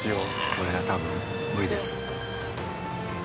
これは多分無理です。